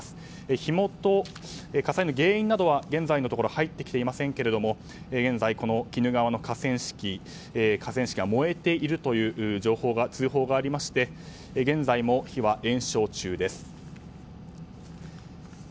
火元、火災の原因などは現在のところは入ってきていませんけれども現在、この鬼怒川の河川敷は燃えているという通報がありまして現在も火は延焼中です。